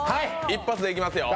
一発でいきますよ。